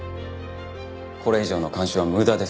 これ以上の監視は無駄です。